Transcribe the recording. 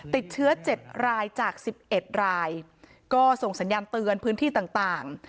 ติดเชื้อ๗รายจาก๑๑รายก็ส่งสัญญาณเตือนพื้นที่ต่าง